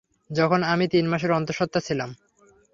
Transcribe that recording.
যখন আমি তিন মাসের অন্তঃসত্ত্বা ছিলাম।